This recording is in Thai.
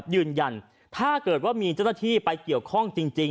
ยืนยั่นถ้าเกิดว่ามีเจ้าหน้าที่